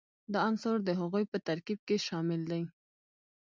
دا عنصر د هغوي په ترکیب کې شامل دي.